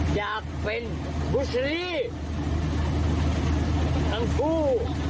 อยากเป็นบุษลีทั้งผู้